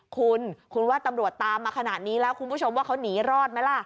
คุณคุณว่าตำรวจตามมาขนาดนี้แล้วคุณผู้ชมว่าเขาหนีรอดไหมล่ะ